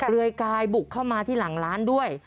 เลื่อยกายบุกเข้ามาที่หลังร้านด้วย